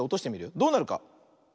どうなるか。